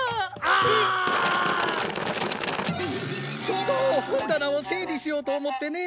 ちょうど本棚を整理しようと思ってね。